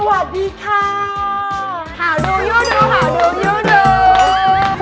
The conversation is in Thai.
หาดูยูดูหาดูยูดู